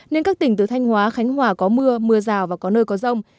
nên các tỉnh từ thanh hóa khánh hòa có mưa mưa rào và có nơi có rông